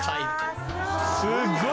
すっごい！